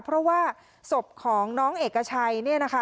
เพราะว่าศพของน้องเอกชัย